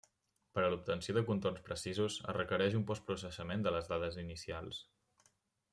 Per a l'obtenció de contorns precisos es requereix un postprocessament de les dades inicials.